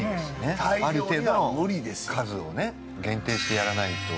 ある程度の数をね限定してやらないと。